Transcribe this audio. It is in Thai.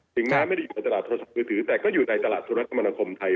ถึงน้ำไม่ได้อยู่ในตลาดรถสือถือแต่ก็อยู่ในตลาดสุรธรรมนาคมไทย